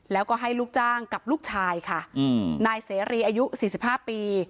แล้วก็ให้ลูกจ้างกับลูกชายค่ะอืมนายเสรีอายุสี่สิบห้าปี